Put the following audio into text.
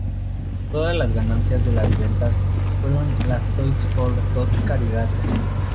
Todas las ganancias de las ventas fueron a las Toys for Tots caridad.